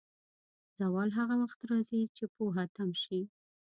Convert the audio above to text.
زوال هغه وخت راځي، چې پوهه تم شي.